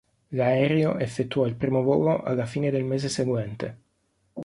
L'aereo effettuò il primo volo alla fine del mese seguente.